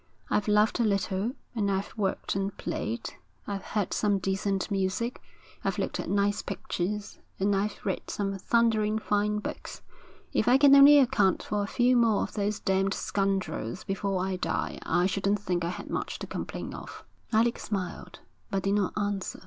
'I've loved a little, and I've worked and played. I've heard some decent music, I've looked at nice pictures, and I've read some thundering fine books. If I can only account for a few more of those damned scoundrels before I die, I shouldn't think I had much to complain of.' Alec smiled, but did not answer.